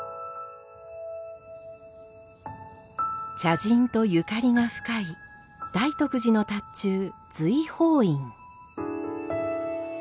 茶人とゆかりが深い大徳寺の塔頭瑞峯院。